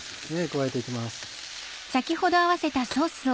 加えて行きます。